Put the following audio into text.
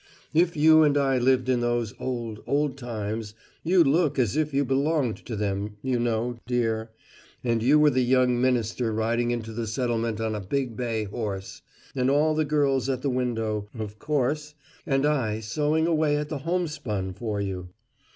If you and I lived in those old, old times you look as if you belonged to them, you know, dear and You were the young minister riding into the settlement on a big bay horse and all the girls at the window, of course! and I sewing away at the homespun for you!